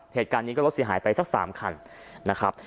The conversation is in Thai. เหตุการณ์นี้ก็รถเสียหายไปสัก๓คันนะครับ